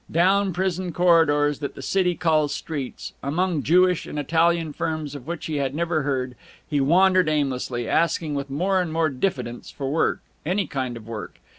Down prison corridors that the city calls streets, among Jewish and Italian firms of which he had never heard, he wandered aimlessly, asking with more and more diffidence for work, any kind of work.